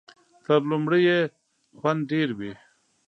تر لومړي یې خوند ډېر وي .